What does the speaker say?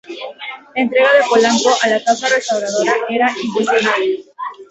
La entrega de Polanco a la causa restauradora era incuestionable.